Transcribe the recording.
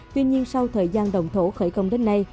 tuy nhiên sau thời gian động thổ khởi công đến nay